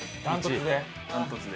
断トツで？